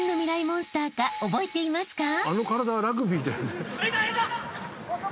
モンスターか覚えていますか？］